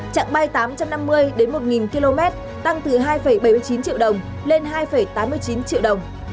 trạng bay tám trăm năm mươi đến một km tăng từ hai bảy mươi chín triệu đồng lên hai tám mươi chín triệu đồng